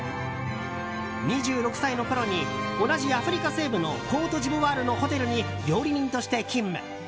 ２６歳のころに同じアフリカ西部のコートジボワールのホテルに料理人として勤務。